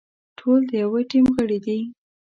ټول د يوه ټيم غړي دي.